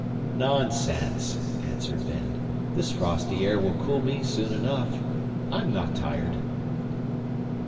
"Nonsense!" answered Ben. "This frosty air will cool me soon enough. I am not tired."